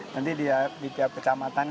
nanti di tiap kecamatan